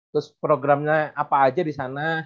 terus programnya apa aja disana